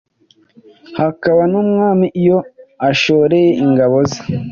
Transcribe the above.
hakaba n’umwami iyo ashoreye ingabo ze